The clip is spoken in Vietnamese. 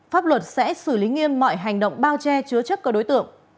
pháp luật sẽ xử lý nghiêm mọi hành động bao che chứa chất cơ đối tượng